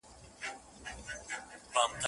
زما فال یې د حافظ په میخانه کي وو کتلی